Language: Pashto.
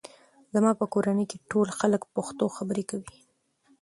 زما په کورنۍ کې ټول خلک پښتو خبرې کوي.